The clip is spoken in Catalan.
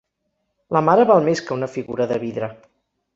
La mare val més que una figura de vidre.